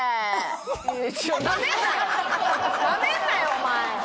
なめんなよお前！